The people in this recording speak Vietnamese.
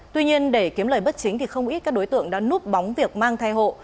tuy nhiên để kiếm lời bất chính thì không ít các đối tượng đã núp bóng việc mang thai hộ